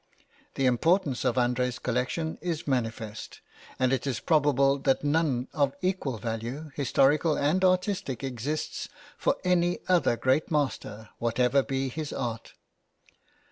The importance of André's collection is manifest, and it is probable that none of equal value, historical and artistic, exists for any other great master, whatever be his art.